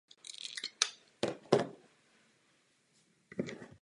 Rychta je dnes majetkem obce.